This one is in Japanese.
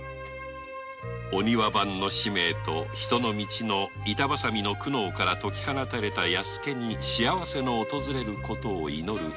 お庭番の使命と人の道の板挟みの苦悩から解き放たれた弥助に幸せの訪れる事を祈る吉宗であった